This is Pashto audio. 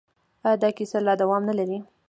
آیا دا کیسه لا دوام نلري؟